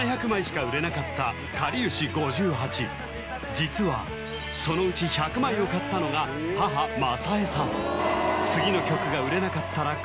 実はそのうち１００枚を買ったのが母正枝さんという状況